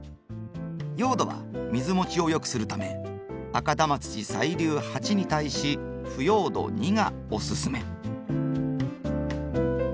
用土は水もちを良くするため赤玉土細粒８に対し腐葉土２がおすすめ。